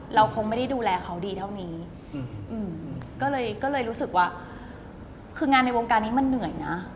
เราคงไม่ได้ดูแลเขาดีเท่านี้ก็เลยก็เลยรู้สึกว่าคืองานในวงการนี้มันเหนื่อยนะ